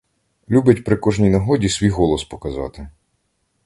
Любить при кожній нагоді свій голос показати.